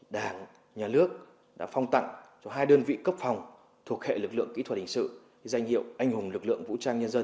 đảng nhà nước đã phong tặng cho hai đơn vị cấp phòng thuộc hệ lực lượng kỹ thuật hình sự danh hiệu anh hùng lực lượng vũ trang nhân dân